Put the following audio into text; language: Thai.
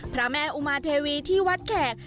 พระแม่อุมาเทวีที่วัดแขก